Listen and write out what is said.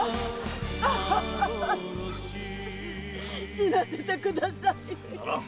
死なせてください！ならん！